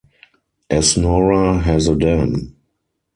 Asnora has a dam.